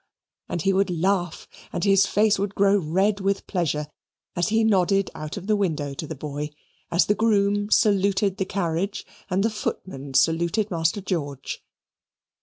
And he would laugh, and his face would grow red with pleasure, as he nodded out of the window to the boy, as the groom saluted the carriage, and the footman saluted Master George.